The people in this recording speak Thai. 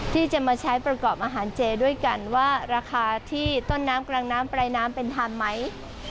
ที่จะมาใช้ประกอบอาหารเจด้วยกันว่าราคาที่ต้นน้ำกลางน้ำปลายน้ำเป็นธรรมไหม